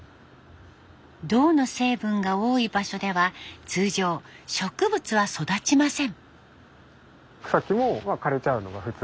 銅の成分が多い場所では通常植物は育ちません。